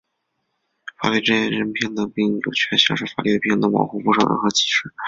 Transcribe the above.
法律之前人人平等,并有权享受法律的平等保护,不受任何歧视。